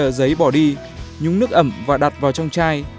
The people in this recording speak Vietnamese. sợ giấy bỏ đi nhúng nước ẩm và đặt vào trong chai